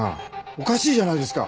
おかしいじゃないですか！